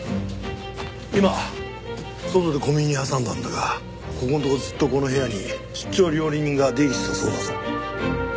今外で小耳に挟んだんだがここんとこずっとこの部屋に出張料理人が出入りしてたそうだぞ。